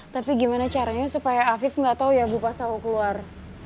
tapi gimana caranya supaya afif nggak tahu ya bu pas aku keluar